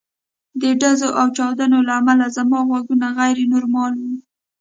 د ډزو او چاودنو له امله زما غوږونه غیر نورمال وو